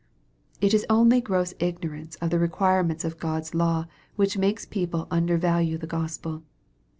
It is only gross ignorance of the requirements of God's law which makes people undervalue the Gospel.